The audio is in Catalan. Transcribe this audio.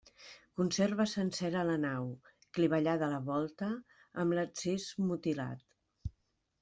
Conserva sencera la nau, clivellada a la volta, amb l'absis mutilat.